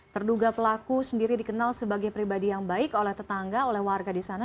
terduga pelaku sendiri dikenal sebagai pribadi yang baik oleh tetangga oleh warga di sana